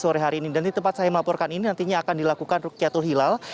sore hari ini dan di tempat saya melaporkan ini nantinya akan dilakukan rukyatul hilal